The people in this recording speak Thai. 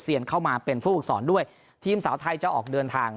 เซียนเข้ามาเป็นผู้อุกษรด้วยทีมสาวไทยจะออกเดินทาง